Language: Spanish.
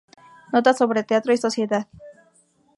Notas sobre teatro y sociedad".